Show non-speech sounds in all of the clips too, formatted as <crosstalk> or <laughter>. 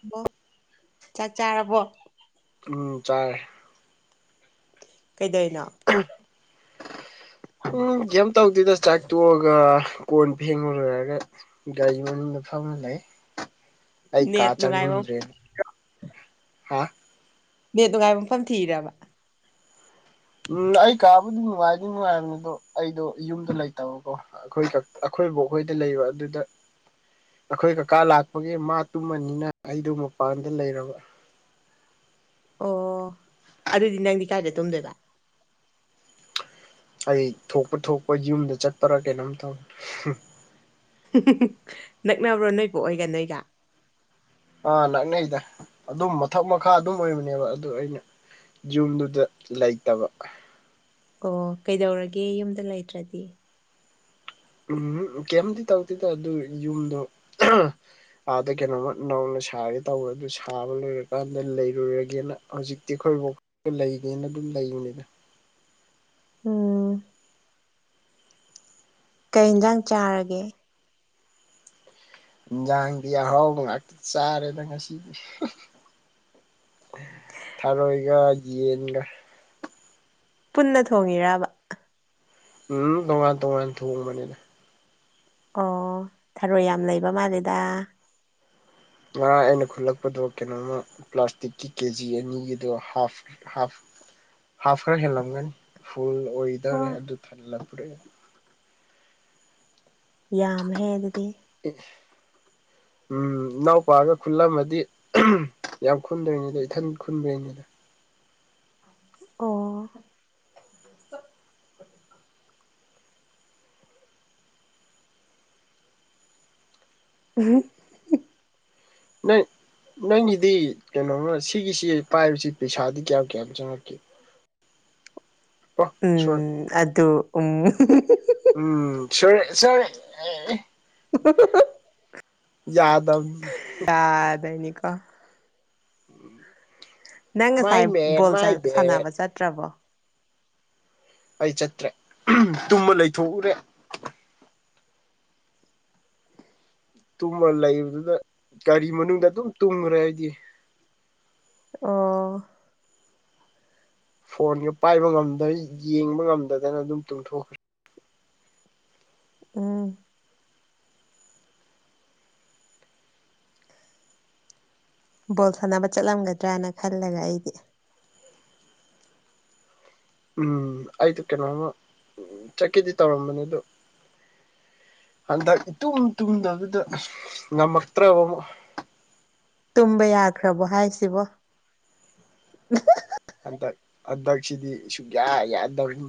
hello ꯆꯥꯛ ꯆꯥꯔꯕꯣ ꯎꯝ ꯆꯥꯔꯦ ꯀꯩꯗꯣꯢꯅꯣ <unintelligible> ꯎꯝ ꯀꯝ ꯇꯧꯗꯦꯗ ꯆꯥꯛ ꯇꯣꯛꯑꯒ ꯀꯣꯟ ꯐꯦꯡ ꯂꯣꯏꯔꯒ ꯒꯥꯔꯤ ꯃꯅꯨꯡꯗ ꯐꯝ ꯂꯩ ꯑꯩ ꯀꯥ ꯅꯦꯠ ꯅꯨꯡꯉꯥꯏꯕ ꯆꯡꯅꯤꯡꯗ꯭ꯔꯦꯅ ꯍꯥ ꯅꯦꯠ ꯅꯨꯉꯥꯏꯕ ꯃꯐꯝ ꯊꯤꯔꯕ ꯎꯝ ꯑꯩ ꯀꯥꯕꯨꯗꯤ ꯅꯨꯡꯉꯥꯏꯗꯤ ꯅꯨꯡꯉꯥꯏꯕꯅꯤ ꯑꯗꯨ ꯑꯩꯗꯣ ꯌꯨꯝꯗ ꯂꯩꯇꯕꯀꯣ ꯑꯩꯈꯣꯏꯀꯥ ꯑꯩꯈꯣꯏꯕꯣꯛ ꯈꯣꯏꯗ ꯂꯩꯕ ꯑꯗꯨꯗ ꯑꯈꯣꯏ ꯀꯀꯥ ꯂꯥꯛꯄꯒꯤ ꯃꯥ ꯇꯨꯝꯃꯅꯤꯅ ꯑꯩꯗꯣ ꯃꯄꯥꯟꯗ ꯂꯩꯔꯕ ꯑꯣ ꯑꯗꯨꯗꯤ ꯅꯪꯗꯤ ꯀꯥꯏꯗ ꯇꯨꯝꯗꯣꯏꯕ ꯑꯩ ꯊꯣꯛꯄ ꯊꯣꯛꯄ ꯌꯨꯝꯗ ꯆꯠꯄ꯭ꯔꯥ ꯀꯩꯅꯣꯝ ꯇꯧꯅꯤ <unintelligible> ꯅꯛꯅꯕ꯭ꯔꯣ ꯅꯣꯏꯕꯨꯛ ꯑꯣꯏꯒ ꯅꯣꯏꯒ ꯑꯥ ꯅꯛꯅꯩꯗ ꯑꯗꯨꯝ ꯃꯊꯛ ꯃꯈꯥ ꯑꯗꯨꯝ ꯑꯣꯏꯕꯅꯦꯕ ꯑꯗꯨ ꯑꯩꯅ ꯌꯨꯝꯗꯨꯗ ꯂꯩꯇꯕ ꯑꯣ ꯀꯩꯗꯧꯔꯒꯦ ꯌꯨꯝꯗ ꯂꯩꯇ꯭ꯔꯗꯤ ꯎꯝ ꯀꯩꯝꯗꯤ ꯇꯧꯗꯦꯗ ꯑꯗꯨꯝ ꯌꯨꯝꯗꯣ ꯑꯥꯗ ꯀꯩꯅꯣꯃ ꯅꯧꯅ ꯁꯥꯔꯦ ꯇꯧꯕꯋꯦ ꯑꯗꯨ ꯁꯥꯕ ꯂꯣꯏꯔꯀꯥꯟꯗ ꯂꯩꯔꯨꯔꯒꯦꯅ ꯍꯧꯖꯤꯛꯇꯤ ꯑꯩꯈꯣꯏ ꯕꯣꯛ ꯑꯗꯨ ꯂꯩꯒꯦꯅ ꯑꯗꯨꯝ ꯂꯩꯔꯤꯅꯤꯗ ꯎꯝ ꯀꯩ ꯏꯟꯖꯥꯡ ꯆꯥꯔꯒꯦ ꯖꯥꯡꯗꯤꯌꯥ ꯍꯥꯎ ꯉꯥꯛꯇ ꯆꯥꯔꯦꯗ ꯉꯁꯤꯗꯤ ꯊꯥꯔꯣꯏꯒ ꯌꯦꯟꯒ ꯄꯨꯟꯅ ꯊꯣꯡꯉꯤꯔꯕ ꯎꯝ ꯇꯣꯉꯥꯟ ꯇꯣꯉꯥꯟ ꯊꯣꯡꯕꯅꯤꯅ ꯑꯣ ꯊꯔꯣꯏ ꯌꯥꯝ ꯂꯩꯕ ꯃꯥꯜꯂꯦꯗ ꯉꯔꯥꯡ ꯑꯩꯅ ꯈꯨꯜꯂꯛꯄꯗꯣ ꯀꯩꯅꯣꯝꯃ ꯄ꯭ꯂꯥꯁꯇꯤꯛꯀꯤ ꯀꯦꯖꯤ ꯑꯅꯤꯒꯤꯗꯣ ꯍꯥꯐ ꯍꯥꯐ ꯍꯥꯐ ꯈꯔ ꯍꯦꯜꯂꯝꯒꯅꯤ ꯐꯨꯜ ꯋꯥ ꯑꯣꯏꯗꯧꯔꯦ ꯑꯗꯨ ꯊꯜꯂꯄ꯭ꯔꯦ ꯌꯥꯝꯍꯦ ꯑꯗꯨꯗꯤ ꯎꯝ ꯏꯅꯥꯎꯄꯥꯒ ꯈꯨꯜꯂꯝꯃꯗꯤ ꯌꯥꯝ ꯈꯨꯟꯗ꯭ꯔꯤꯉꯩꯗ ꯏꯊꯟ ꯈꯨꯟꯗ꯭ꯔꯤꯉꯩꯗ ꯑꯣ ꯎꯝ ꯅꯣꯏ ꯅꯪꯒꯤꯗꯤ ꯀꯩꯅꯣꯃ ꯁꯤꯒꯤꯁꯤ ꯄꯥꯏꯕꯁꯤ ꯄꯩꯁꯥꯗꯤ ꯀꯌꯥꯝ ꯀꯌꯥꯝ ꯆꯪꯉꯛꯀꯦ ꯑꯣ ꯁꯣꯔ ꯎꯝ ꯑꯗꯨ ꯎꯝ ꯁ ꯁ <inaudible> ꯌꯥꯗꯕꯅꯤ ꯑ ꯗꯥꯏꯅꯤꯀ ꯅꯪ ꯉꯁꯥꯏ ꯃꯥꯏ ꯃꯦꯠ ꯕꯣꯜ ꯃꯥꯏ ꯕꯦꯠ ꯁꯥꯟꯅꯕ ꯆꯠꯇ꯭ꯔꯕꯣ ꯑꯩ ꯆꯠꯇ꯭ꯔꯦ ꯇꯨꯝꯃ ꯂꯩꯊꯣꯛꯎꯔꯦ ꯇꯨꯝꯃ ꯂꯩꯕꯗꯨꯗ ꯒꯥꯔꯤ ꯃꯅꯨꯡꯗ ꯑꯗꯨꯝ ꯇꯨꯝꯈ꯭ꯔꯦ ꯑꯩꯗꯤ ꯑꯣ ꯐꯣꯟꯒ ꯄꯥꯏꯕ ꯉꯝꯗ ꯌꯦꯡꯕ ꯉꯝꯗꯗꯅ ꯑꯗꯨꯝ ꯇꯨꯝꯊꯣꯛꯈ꯭ꯔꯦ ꯎꯝ ꯕꯣꯜ ꯁꯥꯟꯅꯕ ꯆꯠꯂꯝꯒꯗ꯭ꯔꯅ ꯈꯜꯂꯒ ꯑꯩꯗꯤ ꯎꯝ ꯑꯩꯗ ꯀꯩꯅꯣꯝꯃ ꯆꯠꯀꯦꯗꯤ ꯇꯧꯔꯝꯕꯅꯦ ꯑꯗ ꯍꯟꯗꯛ ꯏꯇꯨꯝ ꯇꯨꯝꯗꯕꯗ ꯉꯝꯃꯛꯇ꯭ꯔꯕ ꯇꯨꯝꯕ ꯌꯥꯈ꯭ꯔꯕꯣ ꯍꯥꯏꯁꯤꯕꯣ ꯍꯟꯗꯛ ꯍꯟꯗꯛꯁꯤꯗꯤ ꯁꯨꯨꯡꯌꯥ ꯌꯥꯗꯕꯤꯅꯤ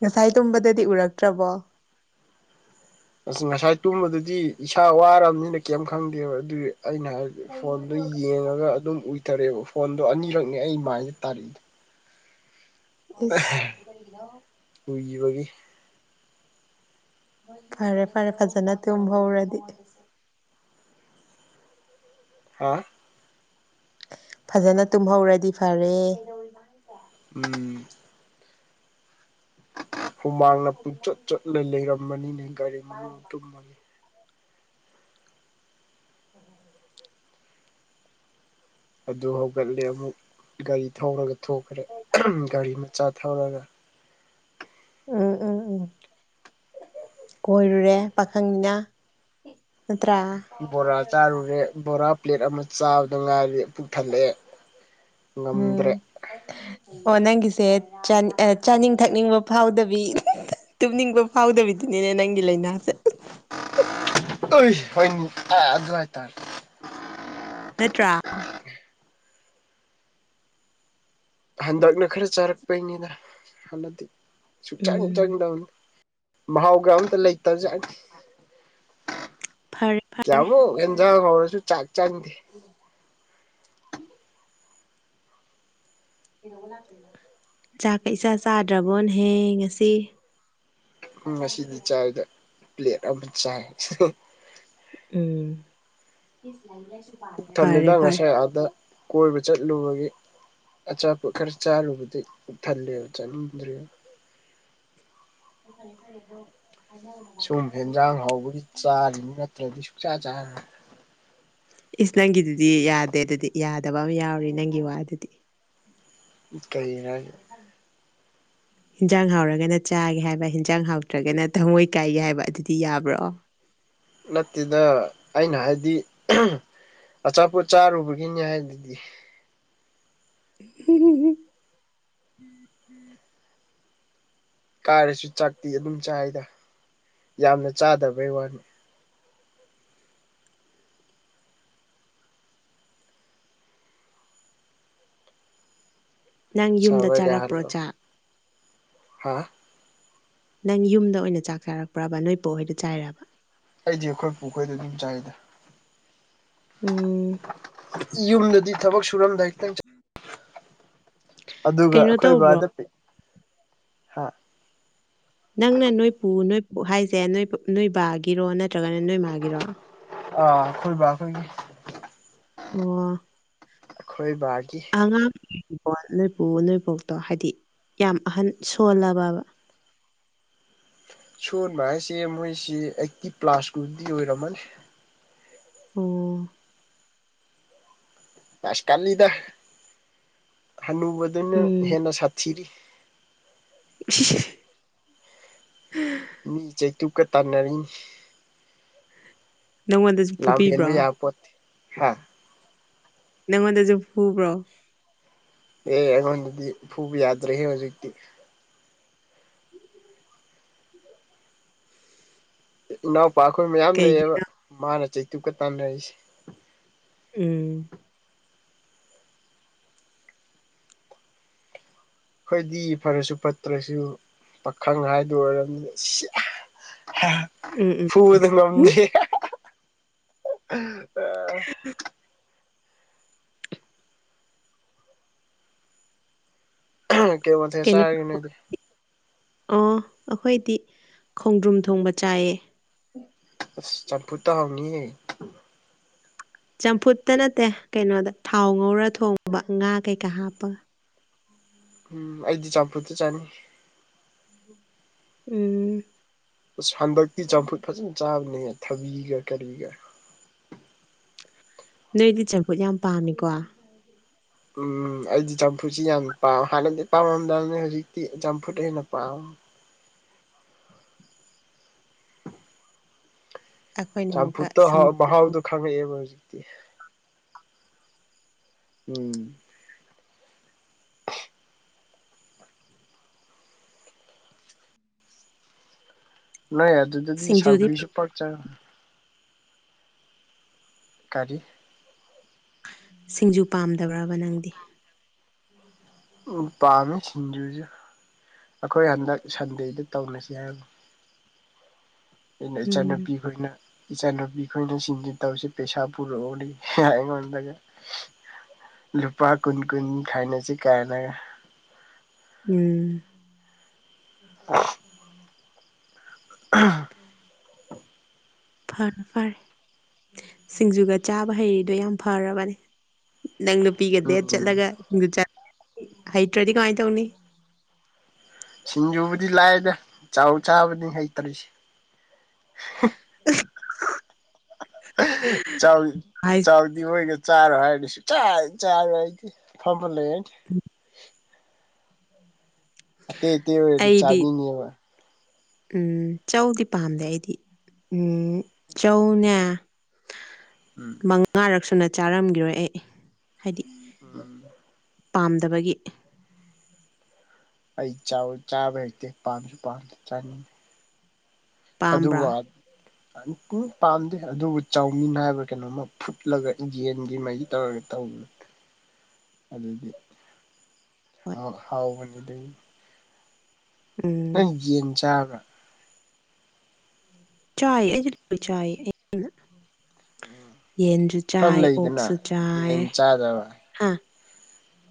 ꯉꯁꯥꯏ ꯇꯨꯝꯕꯗꯗꯤ ꯎꯔꯛꯇ꯭ꯔꯕꯣ ꯑꯁ ꯉꯁꯥꯏ ꯇꯨꯝꯕꯗꯨꯗꯤ ꯏꯁꯥ ꯋꯥꯔꯕꯅꯤꯅ ꯀꯔꯤꯝ ꯈꯪꯗꯦꯕ ꯑꯗꯨ ꯑꯩꯅ ꯍꯥꯏꯦ ꯐꯣꯟꯗꯨꯣ ꯌꯦꯡꯉꯒ ꯑꯗꯨꯝ ꯎꯏꯊꯔꯛꯑꯦꯕ ꯐꯣꯟꯗꯣ ꯑꯅꯤꯔꯛꯅꯦ ꯑꯩ ꯃꯥꯏꯅ ꯇꯥꯔꯛꯏꯗꯣ ꯏꯁ ꯎꯏꯒꯤꯕꯒꯤ ꯐꯔꯦ ꯐꯔꯦ ꯐꯖꯅ ꯇꯨꯝꯍꯧꯔꯗꯤ ꯍꯥꯥ ꯐꯖꯅ ꯇꯨꯝꯍꯧꯔꯗꯤ ꯐꯔꯦ ꯎꯝ ꯍꯨꯃꯥꯡꯅ ꯄꯨꯡꯆꯠ ꯆꯣꯠꯂ ꯂꯩꯔꯝꯕꯅꯤꯅꯦ ꯒꯥꯔꯤ ꯃꯅꯨꯡ ꯇꯨꯝꯃꯒ <inaudible> ꯑꯗꯨ ꯍꯧꯒꯠꯂꯦ ꯑꯃꯨꯛ ꯒꯥꯔꯤ ꯊꯧꯔꯒ ꯊꯈ꯭ꯔꯦ ꯒꯥꯔꯤ ꯃꯆꯥ ꯊꯧꯔꯒ ꯎꯝ ꯎꯝ ꯎꯝ ꯀꯣꯏꯔꯨꯔꯦ ꯄꯥꯈꯪꯅꯤꯅ ꯅꯠꯇ꯭ꯔꯥ ꯕꯣꯔꯥ ꯆꯥꯔꯨꯔꯦ ꯕꯣꯔꯥ ꯄ꯭ꯂꯦꯠ ꯑꯃ ꯆꯥꯕꯗ ꯉꯥꯏꯔꯦ ꯄꯨꯛꯊꯠꯂꯛꯑꯦ ꯉꯝꯗ꯭ꯔꯦ ꯎꯝ ꯑꯣ ꯅꯪꯒꯤꯁꯦ ꯆꯥꯅꯤꯡ ꯊꯛꯅꯤꯡꯕ ꯐꯥꯎꯗꯕꯤ ꯇꯨꯝꯅꯤꯡꯕ ꯐꯥꯎꯗꯕꯤꯗꯨꯅꯤꯅꯦ ꯅꯪꯒꯤ ꯂꯥꯏꯅꯥꯁꯦ ꯇ ꯍꯅꯤ ꯑꯗꯨ ꯍꯥꯏ ꯇꯥꯔꯦ ꯅꯠꯇ꯭ꯔꯥ ꯍꯟꯗꯛꯅ ꯈꯔ ꯆꯥꯔꯛꯄꯩꯉꯗ ꯍꯟꯗꯗꯤ ꯁꯨꯡꯆꯪ ꯎꯝ ꯆꯪꯗꯧꯅꯤ ꯃꯍꯥꯎꯒ ꯑꯝꯇ ꯂꯩꯇꯖꯦ ꯐꯔꯦ ꯌꯥꯕꯣ ꯑꯦꯟꯖ ꯍꯥꯎꯔꯁꯨ ꯆꯥꯛ ꯆꯥꯗꯦ ꯆꯥꯛꯀ ꯏꯆꯥ ꯆꯥꯗ꯭ꯔꯕꯣꯅꯍꯦ ꯉꯁꯤ ꯎ ꯉꯁꯤꯗꯤ ꯆꯥꯏꯗ ꯄ꯭ꯂꯦꯠ ꯑꯃ ꯆꯥꯏ ꯎꯝ ꯛ ꯐꯔꯦ ꯊꯜꯂꯤꯗ ꯐꯔꯦ ꯉꯁꯥꯏ ꯑꯥꯗ ꯀꯣꯏꯕ ꯆꯠꯂꯨꯕꯒꯤ ꯑꯆꯥꯄꯣꯠ ꯈꯔ ꯆꯥꯔꯨꯕꯗꯩꯩ ꯊꯜꯂꯦꯕ ꯆꯥꯅꯤꯡꯗ꯭ꯔꯦ <unintelligible> ꯁꯨꯝ ꯍꯦꯟꯖꯥꯡ ꯍꯧꯕꯒꯤ ꯆꯥꯔꯤꯅꯤ ꯅꯠꯇ꯭ꯔꯗꯤ ꯁꯨꯡꯆꯥ ꯆꯥꯔ ꯏꯁ ꯅꯪꯒꯤꯗꯨꯗꯤ ꯌꯥꯗꯦ ꯑꯗꯨꯗꯤ ꯌꯥꯗꯕ ꯑꯃ ꯌꯥꯎꯔꯤ ꯅꯪꯒꯤ ꯋꯥ ꯑꯗꯨꯗꯤ ꯀꯩꯅꯦ <inaudible> ꯍꯟꯖꯥꯡ ꯍꯥꯎꯔꯒꯅ ꯆꯥꯒꯦ ꯍꯥꯏꯕ ꯍꯟꯖꯥꯡ ꯍꯥꯎꯇ꯭ꯔꯒꯅ ꯊꯃꯣꯏ ꯀꯥꯏꯒꯦ ꯍꯥꯏꯕ ꯑꯗꯨꯗꯤ ꯌꯥꯕ꯭ꯔꯣ ꯅꯠꯇꯦꯗ ꯑꯩꯅ ꯍꯥꯏꯕꯗꯤ ꯑꯆꯥꯄꯣꯠ ꯆꯥꯔꯨꯕꯒꯤꯅꯤ ꯍꯥꯏꯗꯨꯗꯤ ꯎꯝꯨꯝ ꯎꯝ ꯎꯝ ꯀꯥꯏꯔꯁꯨ ꯆꯥꯛꯇꯤ ꯑꯗꯨꯝ ꯆꯥꯏꯗ ꯌꯥꯝꯅ ꯆꯥꯗꯕꯩ ꯋꯥꯅꯤ ꯅꯪ ꯌꯨꯝꯗ ꯁꯥꯕ ꯆꯥꯔꯛꯄ꯭ꯔꯣ ꯆꯥꯛ ꯍꯥꯥ ꯅꯪ ꯌꯨꯝꯗ ꯑꯣꯏꯅ ꯆꯥꯛ ꯆꯥꯔꯛꯄ꯭ꯔꯕ ꯅꯣꯏ ꯄꯣꯛꯍꯣꯏꯗ ꯆꯥꯏꯔꯕ ꯑꯩꯗꯤ ꯑꯩꯈꯣꯏ ꯄꯨꯈꯣꯏꯗ ꯑꯗꯨꯝ ꯆꯥꯏꯗ ꯎꯝ ꯌꯨꯝꯗꯗꯤ ꯊꯕꯛ ꯁꯨꯔꯝꯗꯥꯏ ꯍꯈꯤꯛꯇꯪ ꯑꯗꯨꯒ ꯀꯩꯅꯣ ꯑꯩꯈꯣꯏ ꯇꯧꯕ꯭ꯔꯣ ꯕꯥꯗ ꯍꯥ ꯅꯪꯅ ꯅꯣꯏ ꯄꯨꯨ ꯅꯣꯏ ꯍꯥꯏꯁꯦ ꯅꯣꯏ ꯅꯣꯏꯕꯥꯒꯤꯔꯣ ꯅꯠꯇ꯭ꯔꯒꯅ ꯅꯣꯏ ꯃꯥꯒꯤꯔꯣ ꯑꯥꯈꯣꯏꯕꯈꯣꯏ ꯑꯣ ꯈꯣꯏꯕꯒꯤ ꯑꯉꯥꯡꯕꯣ ꯅꯣꯏꯕꯨ ꯅꯣꯏꯕꯣꯛꯇꯣ ꯍꯥꯏꯗꯤ ꯌꯥꯝ ꯑꯍꯟ ꯁꯣꯜꯂꯕꯕ ꯁꯣꯟꯕ ꯍꯥꯏꯁꯦ ꯃꯣꯏꯁꯤ ꯑꯩꯛꯇꯤ ꯄ꯭ꯂꯥꯁꯀꯗꯤ ꯑꯣꯏꯔꯝꯃꯅꯤ ꯑꯣ ꯑꯥꯁ ꯀꯜꯂꯤꯗ ꯍꯅꯨꯕꯗꯨꯅ ꯎꯝ ꯍꯦꯟꯅ ꯁꯥꯊꯤꯔꯤ <inaudible> ꯃꯤꯆꯦ ꯇꯨ ꯀ ꯇꯥꯟꯅꯔꯤ ꯅꯪꯉꯣꯟꯗꯁꯨ ꯂ ꯐꯨꯕꯤꯕ꯭ꯔꯣ ꯌꯦꯕꯤ ꯌꯥ ꯄ ꯍꯥ ꯅꯪꯉꯣꯟꯗꯁꯨ ꯍꯨꯕ꯭ꯔꯣ ꯑꯦ ꯑꯩꯉꯣꯟꯗꯗꯤ ꯐꯨꯕ ꯌꯥꯗ꯭ꯔꯦꯍꯦ ꯍꯧꯖꯤꯛꯇꯤ ꯏꯅꯥꯎꯄꯥ ꯑꯩꯈꯣꯏ ꯃꯌꯥꯝ ꯀꯩꯒꯤ ꯂꯩꯌꯦꯕ ꯃꯥꯅ ꯆꯩꯇꯨꯛꯀ ꯇꯥꯟꯅꯔꯤꯁꯦ ꯎꯝ ꯑꯩꯈꯣꯏꯗꯤ ꯐꯔꯁꯨ ꯐꯠꯇ꯭ꯔꯁꯨ ꯄꯥꯈꯪ ꯍꯥꯏꯗꯨ ꯑꯣꯏꯔꯕꯅꯤꯗ ꯎꯝ ꯎꯝ ꯐꯨꯗ ꯍꯨꯝ ꯂꯝꯗ <inaudible> <inaudible> ꯀꯩ ꯋꯥꯊꯦ ꯀꯩꯅꯣ ꯆꯥꯔꯒꯦꯅꯦꯗꯤ ꯑꯣ ꯑꯩꯈꯣꯏꯗꯤ ꯈꯣꯡꯗ꯭ꯔꯨꯝ ꯊꯣꯡꯕ ꯆꯥꯏꯌꯦ ꯆꯝꯄꯨꯔꯠꯇ ꯍꯥꯎꯅꯤꯌꯦ ꯆꯝꯐꯨꯠꯇ ꯅꯠꯇꯦ ꯀꯩꯅꯣꯗ ꯊꯥꯎ ꯉꯧꯔ ꯊꯣꯡꯉꯕ ꯉꯥ ꯀꯩꯀꯥ ꯍꯥꯞꯄꯒ ꯎꯝ ꯑꯩꯗꯤ ꯆꯝꯄꯨꯗꯤ ꯆꯅꯤ ꯎꯝ ꯑꯁ ꯍꯟꯗꯛꯇꯤ ꯆꯝꯐꯨꯠ ꯐꯖꯅ ꯆꯥꯕꯅꯦꯌꯦ ꯊꯕꯤꯒ ꯀꯔꯤꯒ ꯅꯣꯏꯗꯤ ꯆꯝꯐꯨꯠ ꯌꯥꯝ ꯄꯥꯝꯃꯤꯀꯣ ꯎꯝ ꯑꯩꯗꯤ ꯆꯝꯐꯨꯁꯤ ꯌꯥꯝ ꯄꯥꯝ ꯍꯥꯟꯅꯗꯤ ꯄꯥꯝꯃꯝꯗꯕꯅꯤ ꯍꯧꯖꯤꯛꯇꯤ ꯆꯝꯐꯨꯗ ꯍꯦꯟꯅ ꯄꯥꯝ ꯑꯩꯈꯣꯏꯅ ꯑꯃꯨꯛꯀ ꯆꯝꯐꯨꯇ ꯁꯤꯡ ꯍ ꯃꯍꯥꯎꯗꯨ ꯈꯥꯟꯕꯖꯤꯛꯇꯗꯤ ꯎꯝ ꯅꯣꯏ ꯑꯗꯨꯗꯨꯗꯤ ꯁꯤꯡꯖꯨꯗꯤ ꯁꯒꯔꯤꯁꯨ ꯄ ꯆ ꯁꯔꯀꯔꯤ ꯁꯤꯡꯖꯨ ꯄꯥꯝꯗꯕ꯭ꯔꯕ ꯅꯪꯗꯤ <unintelligible> ꯎ ꯄꯥꯝꯃꯤ ꯁꯤꯡꯖꯨꯁꯨ ꯑꯩꯈꯣꯏ ꯍꯟꯗꯛ ꯁꯟꯗꯦꯗ ꯇꯧꯅꯁꯤ ꯍꯥꯏꯕꯅꯤ ꯑꯩꯅ ꯎꯝ ꯏꯆꯥꯅꯨꯄꯤ ꯈꯅ ꯏꯆꯥꯅꯨꯄꯤ ꯑꯩꯈꯣꯏꯅ ꯆꯤꯟꯁꯤ ꯇꯧꯁꯦ ꯄꯩꯁꯥ ꯄꯨꯔꯛꯎꯔꯤ ꯑꯩꯉꯣꯟꯗꯒ ꯂꯨꯄꯥ ꯀꯨꯟ ꯀꯨꯟ ꯈꯥꯏꯅꯁꯤ ꯀꯥꯏꯅ ꯎꯝ ꯑ ꯎ ꯎꯝ ꯐꯅ ꯐꯔꯦ ꯁꯤꯡꯖꯨꯒ ꯆꯥꯕ ꯍꯩꯗꯣ ꯌꯥꯝ ꯐꯔꯕꯅꯦ ꯅꯪ ꯄꯤꯒꯗꯦ ꯎꯝ ꯆꯠꯂꯒ ꯗꯨ ꯍꯩꯇ꯭ꯔꯗꯤ ꯀꯃꯥꯏꯅ ꯇꯧꯅꯤ ꯁꯤꯡꯖꯨꯕꯨꯗꯤ ꯂꯥꯛꯑꯗ ꯆꯥꯎ ꯆꯥꯕꯗꯤ ꯍꯩꯇꯔꯤꯁꯦ ꯆꯥꯎ ꯆ ꯑꯗꯨꯗꯤ ꯃꯣꯏꯒ ꯆꯥꯔꯣꯏ ꯍꯥꯏꯔꯁꯨ ꯆꯥ ꯆꯥꯔꯣꯏ ꯍꯥꯏꯗꯤ ꯐꯝꯕ ꯂꯩ ꯍꯥꯏꯅꯤ ꯎꯝ ꯑꯇꯩꯗꯤ ꯑꯩꯗꯤ ꯆꯥꯕꯤꯅꯤꯕ ꯎꯝ ꯆꯧꯗꯤ ꯄꯥꯝꯗꯦ ꯑꯩꯗꯤ ꯎꯝ ꯆꯧꯅꯦ <unintelligible> ꯎꯝ ꯃꯉꯥꯔꯛ ꯁꯨꯅ ꯆꯥꯔꯝꯈꯤꯔꯣꯏ ꯑꯩ ꯍꯥꯏꯗꯤ ꯎꯝ ꯄꯥꯝꯗꯕꯒꯤ ꯑꯩ ꯆꯥꯕ ꯍꯦꯛꯇꯦ ꯄꯥꯝꯁꯨ ꯄꯥꯝ ꯆꯥꯅꯤꯡ ꯑꯗꯨ ꯋꯥ ꯎꯝ ꯄꯥꯝꯗꯦ ꯑꯗꯨꯕꯨ ꯆꯥꯎꯃꯤ ꯅꯥꯕ ꯀꯩꯅꯣꯃ ꯐꯨꯠꯂꯒ ꯌꯦꯟꯒꯤ ꯃꯥꯒꯤ ꯇꯧꯔꯒ ꯇꯧꯕ <unintelligible> ꯑꯗꯨꯗꯤ ꯍꯣꯏ ꯍꯥꯎꯕꯅꯤꯗꯩ ꯎꯝ ꯅꯪ ꯌꯦꯟ ꯆꯥꯕ꯭ꯔꯥ ꯆꯥ ꯆꯥ ꯌꯦꯟꯖ ꯆ ꯈꯔ ꯂꯩꯗꯅ ꯑꯣꯛꯁꯨ ꯆ ꯌꯦꯟ ꯍꯥꯥ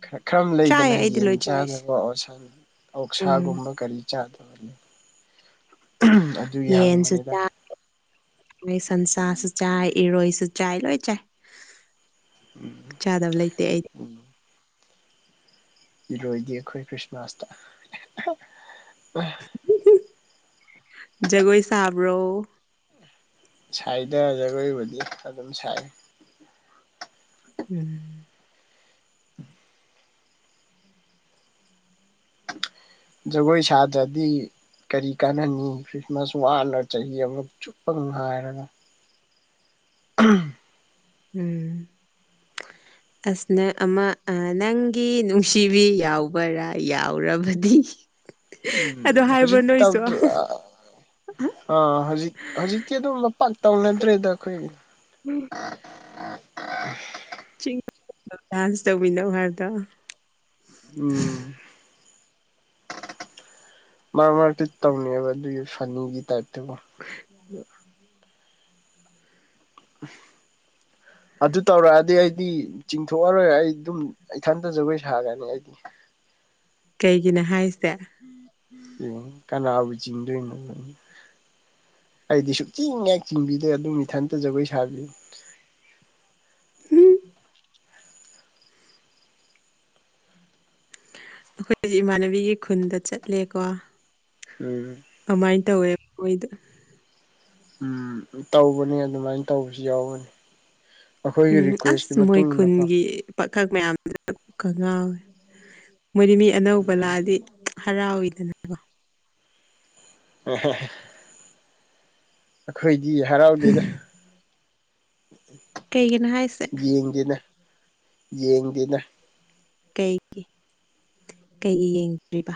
ꯈ ꯈꯔ ꯂꯩꯗꯅ ꯌꯦꯟ ꯂꯣꯏ ꯆꯥꯏꯁꯦ ꯆꯥꯗꯕꯁ ꯎꯝ ꯑꯧꯁꯥꯒꯨꯝꯕ ꯀꯔꯤ ꯆꯥꯗꯕ ꯑꯗꯨꯒꯤ ꯍꯪꯕꯅꯤꯗ ꯣꯏ ꯁꯟꯁꯥꯁꯨ ꯆꯥꯏ ꯏꯔꯣꯏꯁꯨ ꯆꯥꯏ ꯂꯣꯏ ꯆꯥꯏ ꯎꯝ ꯆꯥꯗꯕ ꯂꯩꯇꯦ ꯑꯩ ꯔꯖꯗꯤ ꯈꯣꯏ ꯀ꯭ꯔꯤꯁꯃꯥꯁꯇ ꯖꯒꯣꯏ ꯁꯥꯕ꯭ꯔꯣ ꯁꯥꯏꯗ ꯖꯒꯣꯏꯕꯨꯗꯤ ꯑꯗꯨꯝ ꯁꯥꯏ ꯎꯝ ꯖꯒꯣꯏ ꯁꯥꯗ꯭ꯔꯗꯤ ꯀꯔꯤ ꯀꯥꯟꯅꯅꯤ ꯈ꯭ꯔꯤꯁꯃꯥꯁ ꯋꯥꯅ ꯆꯍꯤ ꯑꯃ ꯆꯨꯞꯄ ꯉ ꯍꯥꯏꯔꯒ ꯎꯝ ꯎꯝ ꯑꯁꯅ ꯑꯃ ꯅꯪꯒꯤ ꯅꯨꯡꯁꯤꯕꯤ ꯌꯥꯎꯕꯔꯥ ꯌꯥꯎꯔꯕꯗꯤ ꯑꯗꯣ ꯎꯝ ꯍꯥꯏꯕ꯭ꯔꯣ ꯍꯧꯖꯤꯛ ꯅꯣꯏꯁꯨ ꯇꯧꯗ꯭ꯔꯤ ꯑꯥ ꯍꯧꯖꯤꯛ ꯍꯧꯖꯤꯛꯇꯤ ꯑꯗꯨꯝ ꯂꯄꯥꯛꯥꯛ ꯇꯧꯅꯗ꯭ꯔꯦꯗ ꯑꯩꯈꯣꯏꯒꯤ ꯎꯝ ꯤꯡ ꯗꯥꯟꯁ ꯇꯧꯕꯤꯅꯣ ꯍꯥꯏꯗ ꯎꯝ ꯃꯥ ꯃꯥꯗꯤ ꯇꯧꯅꯦꯕ ꯑꯗꯨꯒꯤ ꯐꯅꯤꯒꯤ ꯇꯥꯏꯞꯇꯕꯨꯣ <inaudible> ꯑꯗꯨ ꯇꯧꯔꯛꯑꯗꯤ ꯑꯩꯗꯤ ꯆꯤꯡꯊꯣꯛ ꯑꯔꯣꯏ ꯑꯩ ꯇꯨꯝ ꯏꯊꯟꯇ ꯖꯒꯣꯏ ꯁꯥꯒꯅꯤ ꯑꯩꯗꯤ ꯀꯩꯒꯤꯅꯣ ꯍꯥꯏꯁꯦ ꯑꯦ ꯀꯅꯥꯕꯨ ꯆꯤꯡꯗꯣꯏꯅꯣ ꯑꯩꯗꯤ ꯁꯨꯡꯆꯤꯡ ꯉꯦꯛ ꯆꯤꯡꯕꯤꯗ ꯑꯗꯨꯝ ꯏꯊꯟꯇ ꯖꯒꯣꯏ ꯁꯥꯕꯤ ꯎꯝ ꯑꯩꯈꯣꯏ ꯍꯧꯖꯤꯛ ꯏꯃꯥꯟꯅꯕꯤꯒꯤ ꯈꯨꯟꯗ ꯆꯠꯂꯦꯀꯣ ꯎꯝ ꯑꯃꯥꯏ ꯇꯧꯋꯦ ꯃꯣꯏꯗ ꯎꯝ ꯇꯧꯕꯅꯤ ꯑꯗꯨꯃꯥꯏꯅ ꯇꯧꯕꯁꯨ ꯌꯥꯎꯕꯅꯤ ꯎꯝ ꯑꯁ ꯃꯣꯏ ꯏꯟꯅꯀꯣ ꯈꯨꯟꯒꯤ ꯄꯥꯈꯛ ꯃꯌꯥꯝꯗꯨꯅ ꯀꯣꯛꯉꯥꯎꯋꯦ ꯃꯣꯏꯗꯤ ꯃꯤ ꯑꯅꯧꯕ ꯂꯥꯛꯑꯗꯤ ꯍꯔꯥꯎꯏꯗꯅ ꯑꯩꯈꯣꯏꯗꯤ ꯍꯔꯥꯎꯗꯦꯗ ꯀꯩꯒꯤꯅꯣ ꯍꯥꯏꯁꯦ ꯌꯦꯡꯗꯦꯅ ꯌꯦꯡꯗꯦꯅ ꯀꯩꯒꯤ ꯀꯩꯒꯤ ꯌꯦꯡꯗ꯭ꯔꯤꯕ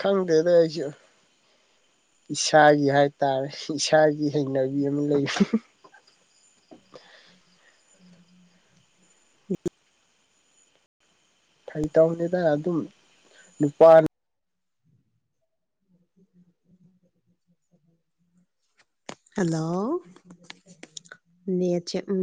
ꯈꯪꯗꯦꯗ ꯑꯩꯁꯨ ꯏꯁꯥꯒꯤ ꯍꯥꯏꯇꯥꯔꯦ ꯏꯁꯥꯒꯤ ꯍꯩꯅꯕꯤ ꯑꯃ ꯂꯩ <inaudible> ꯐꯥꯒꯤ ꯇꯧꯅꯦꯗꯅ ꯑꯗꯨꯝ ꯅꯨꯄꯥ <inaudible> ꯍꯜꯂꯣ ꯅꯦꯠꯁꯦ ꯎꯝ